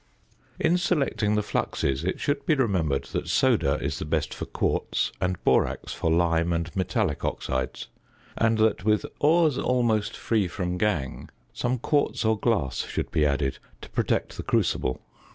In selecting the fluxes, it should be remembered that soda is the best for quartz, and borax for lime and metallic oxides. And that with ores almost free from gangue some quartz or glass should be added to protect the crucible.